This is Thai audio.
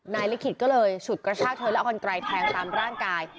ลิขิตก็เลยฉุดกระชากเธอแล้วเอากันไกลแทงตามร่างกาย